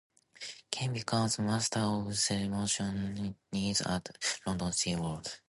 Ken becomes Master of Ceremonies at London Sea World.